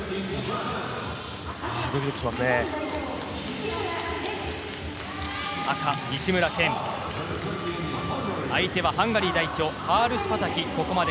ドキドキしますね。